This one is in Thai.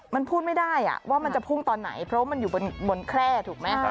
มันพูดไม่ได้ว่ามันจะพุ่งตอนไหนเพราะมันอยู่บนแคร่ถูกไหม